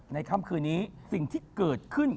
ค่ำคืนนี้สิ่งที่เกิดขึ้น